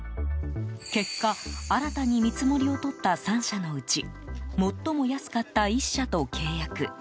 結果、新たに見積もりをとった３社のうち最も安かった１社と契約。